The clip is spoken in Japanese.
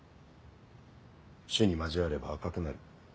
「朱に交われば赤くなる」。